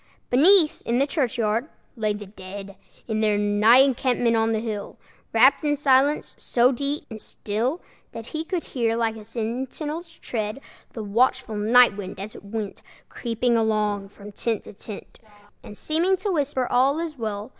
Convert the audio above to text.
Beneath, in the churchyard, lay the dead, In their night encampment on the hill, Wrapped in silence so deep and still That he could hear, like a sentinel's tread, The watchful night wind, as it went Creeping along from tent to tent, And seeming to whisper, "All is well!"